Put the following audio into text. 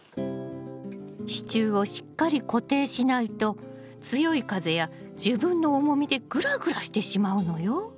支柱をしっかり固定しないと強い風や自分の重みでグラグラしてしまうのよ。